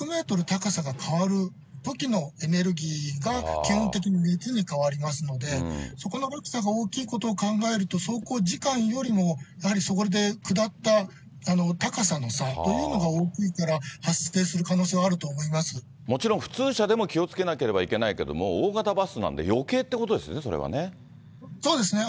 高さが変わるときのエネルギーが、基本的に熱に変わりますので、そこの落差が大きいことを考えると、走行時間よりもやはりそこで下った高さの差というのが大きいから、もちろん普通車でも気をつけなければいけないけども、大型バスなんで、よけいっていうことでそうですね。